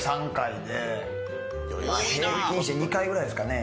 平均して２回ぐらいですかね。